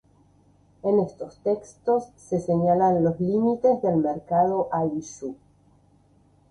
En estos textos, se señalan los límites del mencionado ayllu.